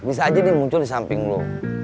bisa aja nih muncul di samping lo